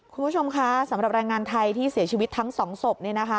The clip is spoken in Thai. คุณผู้ชมคะสำหรับแรงงานไทยที่เสียชีวิตทั้งสองศพ